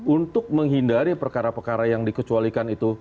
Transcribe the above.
untuk menghindari perkara perkara yang dikecualikan itu